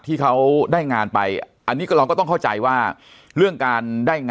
ที่เขาได้งานไปอันนี้ก็เราก็ต้องเข้าใจว่าเรื่องการได้งาน